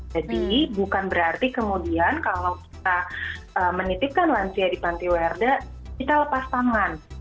jadi bukan berarti kemudian kalau kita menitipkan lansia di pantiwerda kita lepas tangan